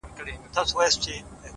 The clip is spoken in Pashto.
زه درته دعا سهار ماښام كوم؛